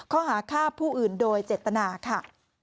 ข้อหาฆ่าผู้อื่นโดยเจตนาค่ะ